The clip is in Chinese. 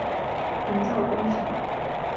营造工程